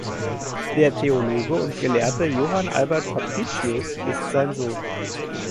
Der Theologe und Gelehrte Johann Albert Fabricius ist sein Sohn.